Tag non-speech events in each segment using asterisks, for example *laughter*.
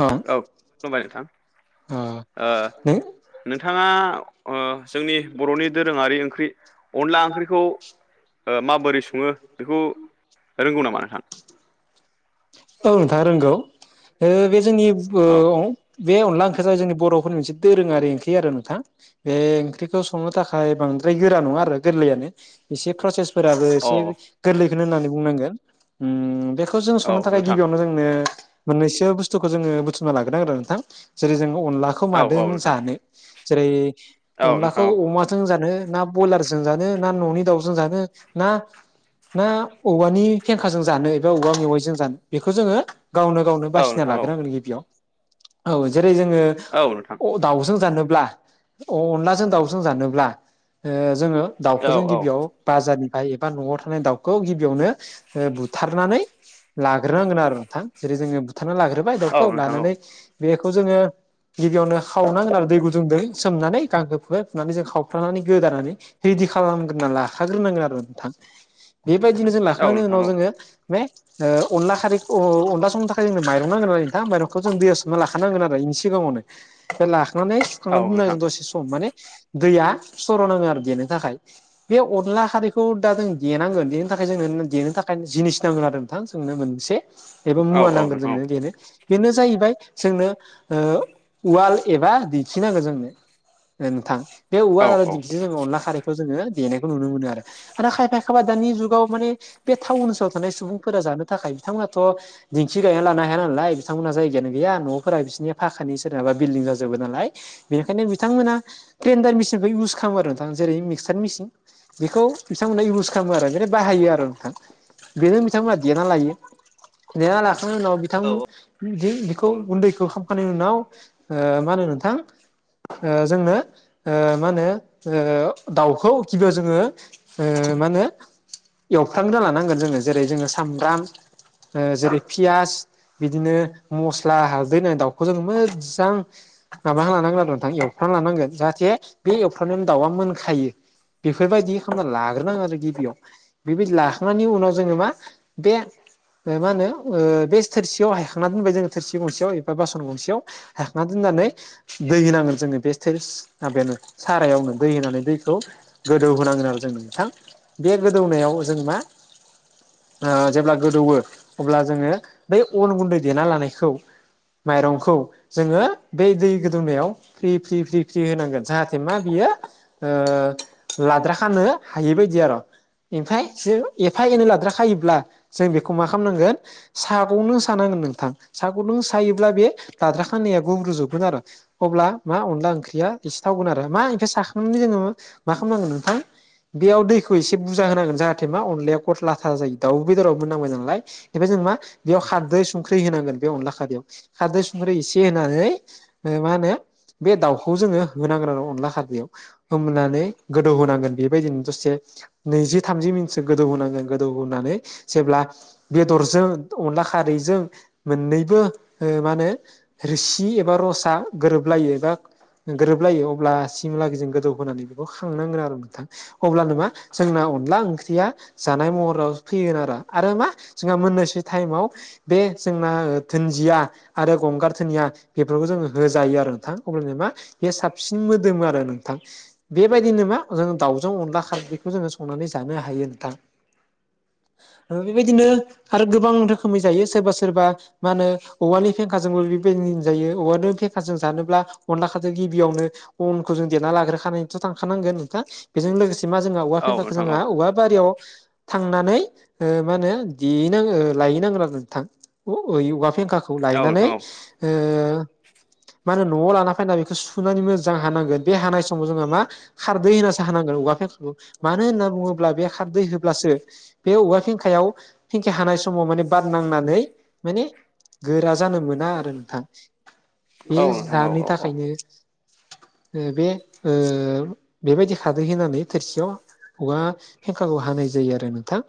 ओ औ खुलुमबाय नोंथां ओ नों नोंथाङा जोंनि बर'नि दोरोङारि ओंख्रि अनला ओंख्रिखौ ओ माबोरै सङो बेखौ रोंगौ नामा नोंथां औ नोंथाङा रोंगौ बे जोंनि ओ औ आव बे अनला ओंख्रिजों जोंनि बर'फोरनि मोनसे दोरोङारि ओंख्रि आरो नोंथां बे ओंख्रिखौ संनो थाखाय बांद्राय गोरा नङा आरो गोरलैयानो एसे प्रसेस फोराबो अ एसे गोरलैखौनो होननानै बुंनांगोन उम बेखौ जों औ संनो नोंथां बे जोंनो मोननैसो बुस्थुखौ बुथुमनानै लाग्रोनांगोन नोंथां जेरै जों अनला खौ औ औ मादों नोंथां जानो जेरै औ नोंथां अनलाखौ औ अमाजों जों जानो ना बयलारजों जानो ना न'नि दाउजों जानो ना ना औवानि फेंखाजों जानो एबा औवा मेवाइजों जानो बेखौ जोङो गावनो गावनो औ बासिना नोंथां औ लाग्रांगोन गिबियाव औ जेरै जोङो औ नोंथां अ दाउजों जानोब्ला अ अनलाजों दाउजों जानोब्ला जोङो दाउखौ जों औ गिबियाव बाजारनिफ्राय एबा न'आव थानाय दाउ खौ गिबियावनो बुथारनानै लाग्रोनांगोन आरो नोंथां जेरै जोङो बुथारना लाग्रोबाय औ नोंथां औ दाउखौ नोंथां औ लानानै बेखौ जोङो गिबियावनो खावनांगोन आरो दै गुदुंदो सोमनानै गांखो फुहाय फुनानै जों खावफ्रानानै गोदानानै रेदि खालामग्रोना लाखाग्रोनांगोन आरो नोंथां बेबायदिनो जों औ नोंथां औ नोंथां औ नोंथां औ नोंथां औ नोंथां औ नोंथां औ लाखांनायनि उनाव जोङो मे ओ अनला खारै अनला संनो थाखाय जोंनो माइरं नांगोन आरो नोंथां माइरंखौ जों दैयाव सोमना लाखानांगोन आरो बेनि सिगाङावनो बे लाखांनानै सुखांनानै दोननानै दसे सम माने दैया सर'नाङो आरो देनो थाखाय बे अनला खारैखौ दा जों देनांगोन देनो थाखाय जों देनो थाखाय जिनिस नांगोन आरो नोंथां जोंनो मोनसे एबा मुवा नांगोन जोंनो देनो बेनो जाहैबाय जोंनो उवाल एबा दिंखिनांगोन जोंनो ओ नोंथां बे उवाल आरो दिंखिजों अनला खारैखौ जोङो देनायखौ नुनो मोनो आरो आरो खायफा खायफा दानि जुगाव माने बे टाउन ओनसोलाव थानाय सुबुंफोरा जानो थाखाय बिथांमोनाथ' दिंखि गायना लानो हाया नालाय बिथांमोनहा जायगायानो गैया न'फोरा बिसोरनि फाखानि सोरनाबा बिल्डिं जाजोबो नालाय बेनिखायनो बिथांमोना ग्रेन्डार मेसिनखौ इउस खालामो आरो नोंथां जेरै मिक्सार मेसिन बेखौ बिथांमोना इउस खालामो आरो जेरै बाहायो आरो नोंथां बेनो बिथांमोना देना लायो देना लाखांनायनि उनाव बिथां बेखौ उन्दैखौ खालामखांनायनि उनाव ओ मा होनो नोंथां जोंनो मा होनो दाउखौ गिबियाव जोङो मा होनो एवफ्रामग्रोना लानांगोन जोङो जेरै जोङो सामब्राम जेरै पियास बिदिनो मस्ला हालदै होना दाउखौ जोङो मोजां माबा लानांगोन आरो नोंथां एवफ्रामना लानांगोन जाहाथे बे एवफ्रामनायावनो दाउआ मोनखायो बेफोरबायदि खालामना लाग्रोनांगौ आरो गिबियाव बेबायदि लाखांनायनि उनाव जोङो मा बे मा होनो बे थोरसियाव हायखांना दोनबाय जोङो थोरसि गंसेयाव एबा बासन गंसेयाव हायखांना दोननानै दै होनांगोन जोंनो बे थेस माबायानो सारायावनो दै होनानै दैखौ गोदौ होनांगोन आरो जोंनो नोंथां बे गोदौनायाव जों मा जेब्ला गोदौवो अब्ला जोङो बे अन गुन्दै देना लानायखौ माइरंखौ जोङो बे दै गोदौनायाव फ्रि फ्रि फ्रि फ्रि होनांगोन जाहाथे मा बियो लाद्रा खानो हायि बायदि आरो इनफायसो एफा एनै लाद्रा ब्लाजों बेखौ मा खालामनांगोन सागंजों सानांगोन नोंथां सागंजों सायोब्ला बे लाद्रा खाना गुब्रुजोबगोन आरो अब्ला मा अनला ओंख्रिया एसे थावगोन आरो मा इमफाय साखांनानै जोङो मा खालामनांगोन नोंथां बेयाव दैखौ एसे बुरजा होनांगोन जाहाथे मा अनलाया फथला था जायो दाउ बेदरावबो मोननांबाय नालाय एबा जों मा बेयाव खारदै संख्रि होनांगोन बे अनला खारैयाव खारदै संख्रै एसे होनानै ओमफाय मा होनो बे दाउखौ जोङो होनांगोन आरो अनला खारदैयाव फोमोननानै गोदौहोनांगोन बेबायदिनो दसे नैजि थामजि मिनिटसो गोदौ होनांगोन गोदौ होनानै जेब्ला बेदरजों अनला खारैजों मोननैबो मा होनो रोसि एबा रसा गोरोबलायो एबा गोरोबलायो अब्ला *unintelligible* जों गोदौ होनानै बेखौ खांनांगोन आरो नोंथां अब्ला नो मा जोंना अनला ओंख्रिया जानाय महराव फैगोन आरो मा जोंहा मोननैसो टाइमाव बे जोंना थोनजिया आरो गंगार धोनिया बेफोरखौ जोङो होजायो आरो नोंथां अब्लानिया मा बे साबसिन मोदोमो आरो नोंथां बेबायदिनो मा जों दाउजों अनला खारैखौ जोङो संनानै जानो हायो नोंथां बेबायदिनो आरो गोबां रोखोमै जायो सोरबा सोरबा मा होनो औवानि फेंखाजोंबो बेबायदि जायो औवानि फेंखाजों जानोब्ला अनलाखो जों गिबियावनो अनखौ जों देरना लाग्रोखानायाथ' थांखानांगोन नोंथां बेजों लोगोसे मा जोंहा औवा फेंखाखौ जोंहा औवा बारियाव थांनानै मा होनो देहैनांगो लाहैनांगोन आरो थां औवा फेंखाखौ खौ लायनानै ओ मा होनो न'आव लाना फैना बेखौ सुनानै मोजां हानांगोन। बे हानाय समाव जोङो मा खारदै होनासो हानांगोन औवा मानो होनना बुङोब्ला बे खारदै ब्लासो बे औवा फेंखायाव फेंखा हानाय समाव माने बार नांनानै माने गोरा जानो मोना आरो नोंथां बे जाहोननि थाखायनो ओ बे ओ बेबायदि खारदै होनानै थोरसियाव एबा फेंखायाव हानाय जायो आरो नोंथां।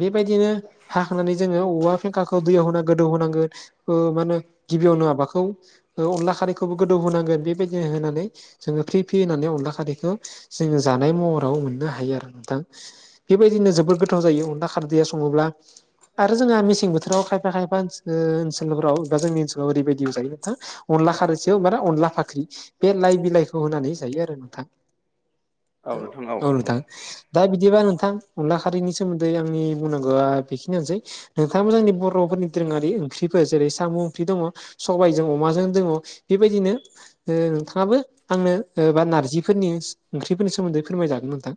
बेबायदिनो हाखांनानै जोङो औवा फेंखाखौ दैयाव होना गोदौ होनांगोन। ओ मा होनो गिबियावनो माबाखौ अनला खारैखौबो गोदौ होनांगोन बेबायदिनो होनानै जोङो फ्रि फ्रि होनानै अनला खारैखौ जोङो जानाय महराव मोननो हायो आरो नोंथां। बेबायदिनो जोबोर गोथाव जायो अनला खारदैया सङोब्ला आरो जोंहा मेसें बोथोराव खायफा खायफा खायफा ओ ओनसोलफोराव एबा जोंनि ओनसोलाव ओरैबायदि जायो मा अनला खारैसेयाव मा अनला फाख्रि बे लाइ बिलाइखौ होनानै जायो आरो नोंथां। औ नोथां दा बिदिबा नोंथां अनला खारिनि सोमोन्दै आंनि बुंनांगौआ बेखिनियानोसै। नोंथाङाबो जोंनि बर'फोरनि दोरोङारि ओंख्रिफोर जेरै साम' ओंख्रि दङ सबायजों अमाजों दङ बेबायदिनो ओ नोंथाङाबो आंनो ओ बा नारजिफोरनि ओंख्रिफोरनि सोमोन्दै फोरमायजागोन नोंथां।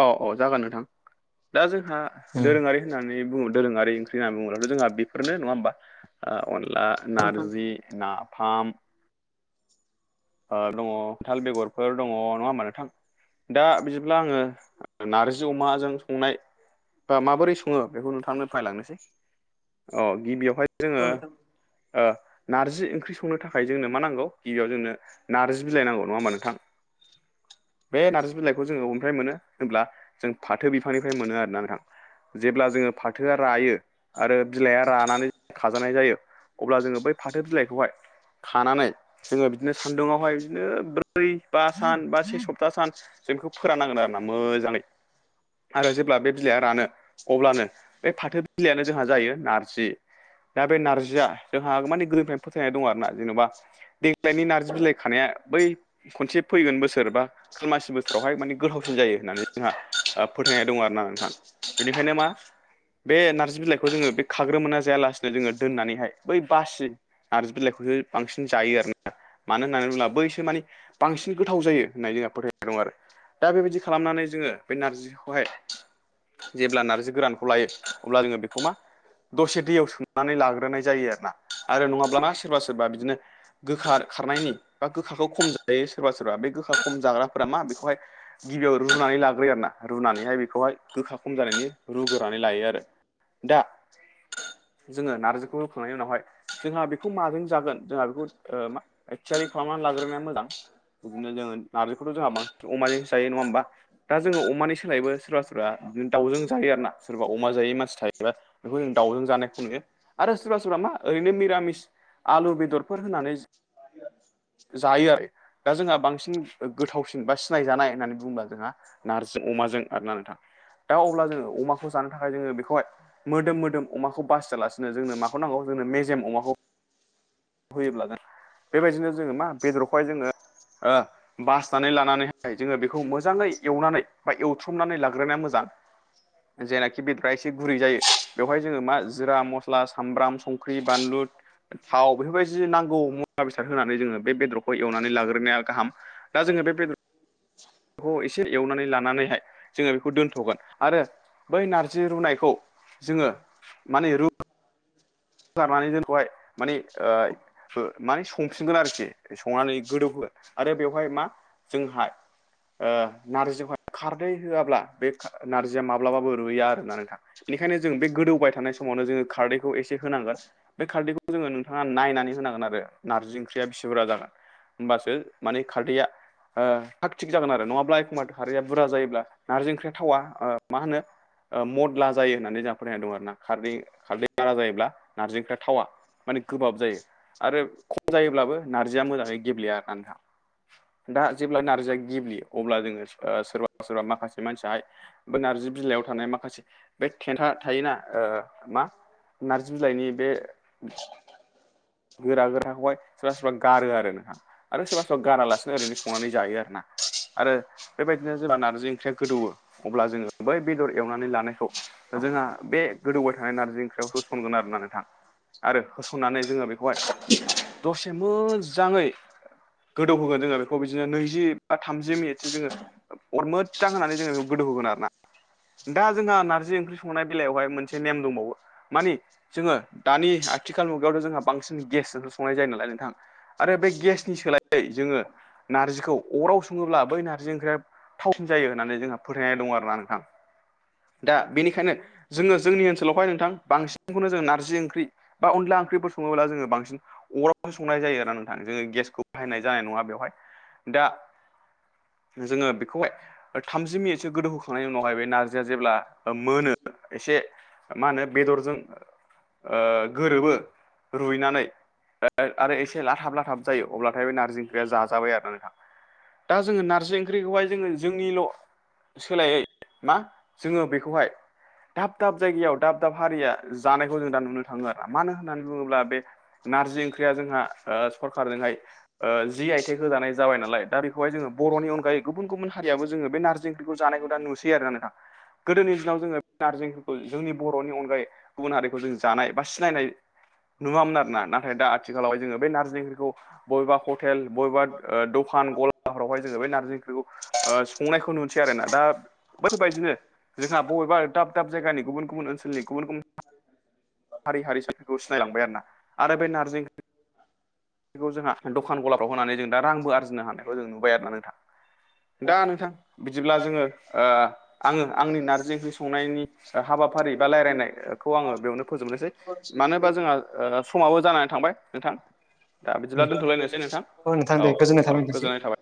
औ औ जागोन नोंथां दा जोंहा औ दोरोङारि होननानै बुङो दोरोङारि ओंख्रि होननानै बुङोब्लाथ' जोंहा बेफोरनो नङा होमबा अनला नारजि नाफाम दङ थाल बेगरफोर दङ नङा होमबा नोंथां। दा बिदिब्ला आङो नार्जि अमाजों संनाय बा माबोरै सङो बेखौ नोंथांनो फोरमाय लांनोसै औ गिबियावहाय जोङो ओ नारजि ओंख्रि संनो थाखाय जोंनो मा नांगौ गिबियाव जोंनो नारजि बिलाइ नांगौ नङा होमबा नोंथां। बे नारजि बिलाइखौ जोंङो बबेनिफ्राय मोनो होनब्ला जों फाथो बिफांनिफ्राय मोनो आरोना नोंथां। जेब्ला जोङो फाथोआ रायो आरो बिलाइआ रानानै खाजानाय जायो अब्ला जोङो बै फाथो बिलाइखौहाय खानानै जोङो बिदिनो सान्दुुङावहाय बिदिनो ब्रै बा सान बा से सप्ता सान जों बेखौ फोराननांगोन आरोना मोजाङै आरो जेब्ला बे बिलाइआ रानो अब्लानो बे फाथो बिलाइयानो जोंहा जायो नारजि। दा बे नारजिया जोंहा माने गोदोनिफ्रायनो फोथायनाय दं आरो ना जेनेबा देग्लायनि नार्जि बिलाइ खानाया बै खनसे फैगोन बोसोर बा खालमासि बोसोरावहाय माने गोथावसिन जायो होननानै जोंहा फोथायनाय दं आरो ना नोंथां बेनिखायनो मा बे नार्जि बिलाइखौ जोङो बे खाग्रोमोना जायालासिनो जोङो दोननानैहाय बै बासि नार्जि बिलाइखौसो बांसिन जायो आरोना। मानो होननानै बुङोब्ला बैसो माने बांसिन गोथाव जायो होननानै जोंहा फोथायनाय दं आरो। दा बेबायदि खालामनानै जोङो बे नारजिखौहाय जेब्ला नार्जि गोरानखौ लायो अब्ला जोङो बेखौ मा दसे दैयाव सुनानै लाग्रोनाय जायो आरो ना आरो नङाब्लाना सोरबा सोरबा बिदिनो गोखा खारनायनि बा गोखाखौ खम जायो सोरबा सोरबा बे गोखा खम जाग्राफोरा मा बेखौहाय गिबियाव रुनानै लाग्रोयो आरोना रुनानैहाय बेखौहाय गोखा खम जानायनि रुग्रोनानै लायो आरो। दा जोङो नार्जिखौ रुखांनायनि उनावहाय जोंहा बेखौ माजों जागोन जोंहा बेखौ मा थियारि खालामनानै लाग्रोनाया मोजां बिदिनो जोङो नारजिखौथ' जोंहा बांसिन अमाजोंसो जायो नङा होमबा। दा जोङो अमानि सोलायबो सोरबा सोरबा बिदिनो दाउजों जायो आरो ना सोरबा अमा जायै मानसि थायोबा। बेखौ जों दाउजों जानायखौ नुयो आरो सोरबा सोरबा मा ओरैनो निरामिस आलु बेदरफोर होनानै जायो आरो दा जोंहा बांसिन गोथावसिन बा सिनायजानाय होननानै बुङोब्ला जोंहा नार्जि अमाजों आरोना नोंथां दा अब्ला जोङो अमाखौ जानो थाखाय जोङो बेखौहाय मोदोम मोदोम अमाखौ बासियालासिनो जोंनो माखौ नांगौ जोंनो मेजेम अमाखौ होयोब्ला बेबायदिनो जोङो मा बेदरखौहाय जोङो ओ बासनानै लानानैहाय जोङो बेखौ मोजाङै एवनानै बा एवथ्रमनानै लाग्रोनाया मोजां जेनाखि बेदरा एसे गुरै जायो बेवहाय जोंङो मा जिरा मस्ला सामब्राम संख्रि बानलु थाव बेफोरबायदि नांगौ मुवा बेसाद होनानै जोंङो बे बेदरखौ एवनानै लाग्रोनाया गाहाम दा जोंङो बे बेदर खौ एसे एवनानै लानानैहाय जोंङो बेखौ दोनथ'गोन आरो बै नारजि रुनायखौ जोंङो माने रु गारनानै जोंखौहाय माने ओ माने संसिगोन आरोखि संनानै गोदौहोगोन आरो बेवहाय मा जोंहा ओ नारजिखौहाय खारदै होआब्ला बे नारजिया माब्लाबो रुैया आरो ना नोंथां बेनिखायनो जों बे गोदौबाय थानाय समावनो जोंङो खारदै बेखौ एसे होनांगोन बे खारदैखौ जोंङो नोंथांङा नायनानै होनांगोन आरो नारजि ओंख्रिया बिसिफोरा जागोन होमबासो माने खारदैया ओ थाग थिग जागोन आरो नङाब्ला एखम्बाथ' खारैया बुरजा जायोब्ला नारजि ओंख्रिया थावा मा होनो मदला जायो होननानै जोंहा फोथायनाय दं आरो ना खारै खारदै बारा जायोब्ला नारजिफ्रा थावा माने गोबाब जायो आरो जायोब्लाबो नारजिया मोजांङै गेब्लेया आरोना नोंथां दा जेब्ला नारजिया गेब्लियो अब्ला जोंङो सोरबा सोरबा माखासे मानसियाहाय बे नारजि बिलाइयाव थानाय माखासे बे खेन्था थायोना ओ मा जुजाइनि बे गोरा गोराखौहाय सोरबा सोरबा गारो आरो नोंथां आरो सोरबा सोरबा गारालासिनो ओरैनो संनानै जायो आरो ना आरो बेबायदिनो जेब्ला नारजि ओंख्रिया गोदौवो अब्ला जोङो बै बेदर एवनानै लानायखौ जोंहा बे गोदौबाय थानाय नारजि ओंख्रियाव होसनगोन आरोना नोंथां आरो होसननानै जोंङो बे *inaudible* दसे मोजांङै गोदौ होगोन जोंङो बेखौ बिदिनो नैजि बा थामजि मिनिटसो जोंङो अर मोजां होननानै जोंङो बेखौ गोदौ होगोन आरो ना दा जोंहा नारजि ओंख्रि संनाय बेलायावहाय मोनसे नेम दंबावो मानि जोङो दानि आथिखाल मुगायावथ' जोंहा बांसिन गेसजोंङो संनाय जायो नालाय नोंथां आरो बे गेसनि सोलायै जोंङो नारजिखौ अराव सङोब्ला बै नारजि ओंख्रिया थाव जायो होननानै जोंहा फोथायनाय दं आरो ना नोंथां दा बेनिखायनो जोंङो जोंनि ओनसोलाव हाय नोंथां बांसिनखौनो जोंङो नारजि ओंख्रि बा अनला ओंख्रिबो संङोब्ला जोंङो बांसिन अरावसो संनाय जायो आरो नोंथां जोंङो गेसखौ बाहायनाय जानाय नंङा बेवहाय दा जोंङो बेखौहाय थामजि मिनिटसो गोदौ होखांनायनि उनावहाय बे नार जिया जेब्ला मोनो एसे मा होनो बेदरजों गोरोबो रुइनानै आरो एसे लाथाब लाथाब जायो अब्लाथाय बे नारजि ओंख्रिया जाजाबाय आरो नोंथां दा जोंङो नारजि ओंख्रिखौहाय जोङो जोंनिल' सोलायै मा जोंङो बेखौहाय दाब दाब जायगायाव दाब दाब हारिया जानायखौ जों दा नुनो थांङो आरो मानो हो ननानै बुंङोब्ला बे नारजि ओंख्रिया जोंहा ओ सरखारजोंहाय ओ जि आइ टेक होजानाय जाबाय नालाय दा बेखौहाय जोंङो बरनि अनगायै गुबुन गुबुन हारियाबो जोङो बे नारजि बेफोर जानायखौ दा नुसै आरोना नोंथां गोदोनि दिनाव जोंङो बे नारजिफोरखौ जोंनि बर'नि अनगायै गुबुन हारिखौ जों जानाय बा सिनायनाय नुवामोन आरो ना नाथाय दा आथिखालावहाय जोंङो बे नारजि ओंख्रिखौ बबेबा हटेल बबेबा दखान फोरावहाय जोंङो बेै नारजि ओंख्रिखौ संनायखौ नुसै आरोना दा बेफोरबायदिनो जोंहा बबेबा दाब दाब जायगानि गुबुन गुबुन ओनसोलनि गुबुन गुबुन हारि हारिसाफोरखौ सिनायलांबाय आरोना आरो बे नारजि बेखौ जोंहा दखान गलाफ्राव होनानै जों दा रांबो आरजिनो हानायखौ जों नुबाय आरो ना नोंथां दा नोंथां बिदिब्ला जोंङो आंङो आंनि नारजि ओंख्रि संनायनि हाबाफारि बा रायलायनायखौ आंङो बेयावनो जोबनोसै मानो होनोबा जोंहा समावबो जानानै थांबाय नोंथां दा दे बिदिब्ला दोनथ'लायनोसै नोंथां नोंथां औ दे गोजोननाय औ थाबाय नोंथांसिम गोजोननाय थाबाय